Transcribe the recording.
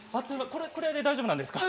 これで大丈夫なんですか？